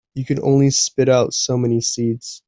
You can only spit out so many seeds.